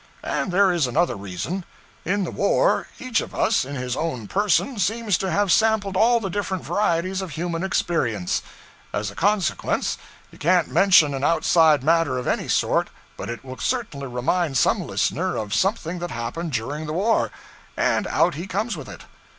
And there is another reason: In the war, each of us, in his own person, seems to have sampled all the different varieties of human experience; as a consequence, you can't mention an outside matter of any sort but it will certainly remind some listener of something that happened during the war and out he comes with it.